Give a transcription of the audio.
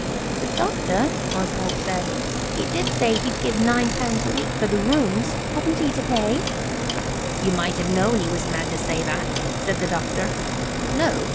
"But, Doctor," Oswald said, "he did say he'd give nine pounds a week for the rooms. Oughtn't he to pay?" "You might have known he was mad to say that," said the doctor. "No.